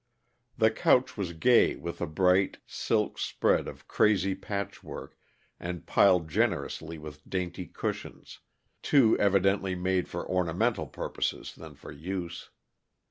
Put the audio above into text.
The couch was gay with a bright, silk spread of "crazy" patchwork, and piled generously with dainty cushions, too evidently made for ornamental purposes than for use.